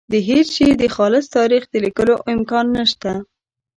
د هېڅ شي د خالص تاریخ د لیکلو امکان نشته.